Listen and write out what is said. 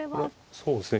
そうですね。